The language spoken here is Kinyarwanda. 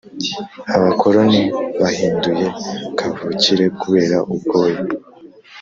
abakoloni bahinduye kavukire kubera ubwoya.